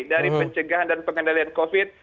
dari pencegahan dan pengendalian covid